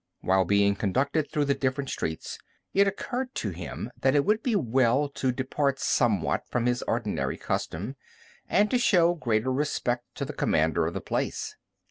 While being conducted through the different streets, it occurred to him that it would be well to depart somewhat from his ordinary custom, and to show greater respect to the commander of the place.